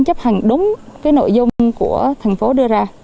cái nội dung của thành phố đưa ra